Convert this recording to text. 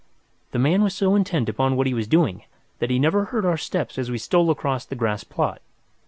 The man was so intent upon what he was doing that he never heard our steps as we stole across the grass plot.